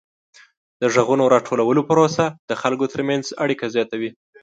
د غږونو راټولولو پروسه د خلکو ترمنځ اړیکه زیاتوي.